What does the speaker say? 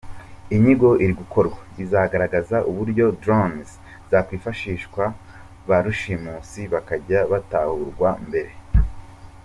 Inyigo iri gukorwa, izagaragaza uburyo drones zakwifashishwa ba rushimusi bakajya batahurwa mbere.